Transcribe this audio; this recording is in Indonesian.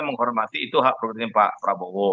menghormati itu hak prioritasnya pak prabowo